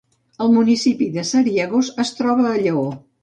El municipi de Sariegos es troba a Lleó.